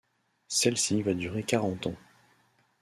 Celle-ci va durer quarante ans.